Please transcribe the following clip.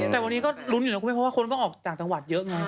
แต่วันนี้ก็รุ้นอยู่นะเพราะว่าคนออกจากจังหวัดเยอะไง